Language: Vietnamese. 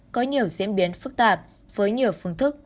có nhiều diễn biến phức tạp với nhiều phương thức